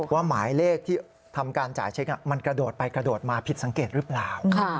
หมายเลขที่ทำการจ่ายเช็คมันกระโดดไปกระโดดมาผิดสังเกตหรือเปล่า